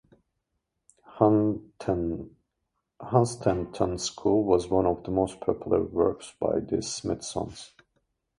Hunstanton School was one of the most popular works by the Smithsons.